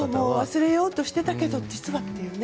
忘れようとしてたけど実はね。